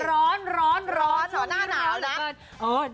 ร้อนร้อนร้อน